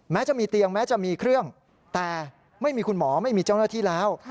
จะมีเตียงแม้จะมีเครื่องแต่ไม่มีคุณหมอไม่มีเจ้าหน้าที่แล้ว